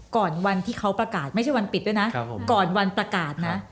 ก่อนวันที่เขาประกาศไม่ใช่วันปิดด้วยนะก่อนวันประกาศนะ